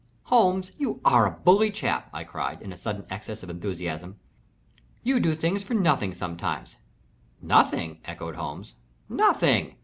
"Holmes, you are a bully chap!" I cried, in a sudden excess of enthusiasm. "You do things for nothing sometimes " "Nothing!" echoed Holmes "nothing!